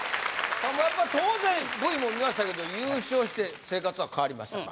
やっぱり当然Ｖも見ましたけど優勝して生活は変わりましたか？